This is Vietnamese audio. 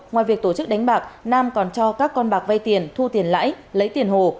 ngoài việc tổ chức đánh bạc nam còn cho các con bạc vai tiền thu tiền lãi lấy tiền hồ